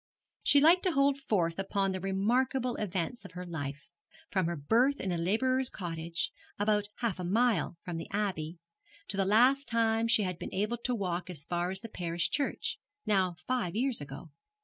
She liked to hold forth upon the remarkable events of her life from her birth in a labourer's cottage, about half a mile from the Abbey, to the last time she had been able to walk as far as the parish church, now five years ago.